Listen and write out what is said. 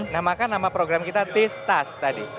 nah maka nama program kita tes tas tadi